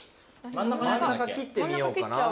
真ん中切ってみようかな。